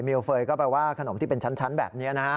มิลเฟย์ก็แปลว่าขนมที่เป็นชั้นแบบเนี้ยนะครับ